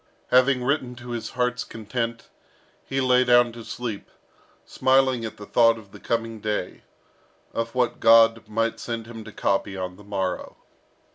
Having written to his heart's content, he lay down to sleep, smiling at the thought of the coming day of what God might send him to copy on the morrow.